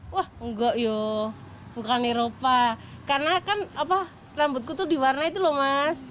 wah enggak yuk bukan eropa karena kan rambutku itu diwarna itu loh mas